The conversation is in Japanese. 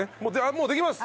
もうできます！